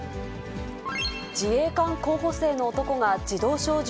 自衛官候補生の男が自動小銃